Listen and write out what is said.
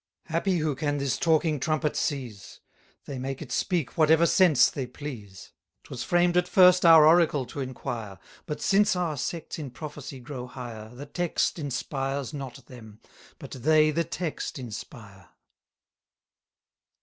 Happy who can this talking trumpet seize; They make it speak whatever sense they please: 'Twas framed at first our oracle to inquire; But since our sects in prophecy grow higher, The text inspires not them, but they the text inspire.